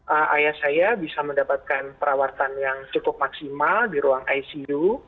ayah saya bisa mendapatkan perawatan yang cukup maksimal di ruang icu